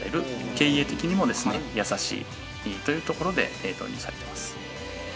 経営的にもですね優しいというところで導入されています。